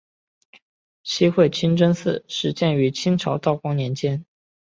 西会清真寺始建于清朝道光年间。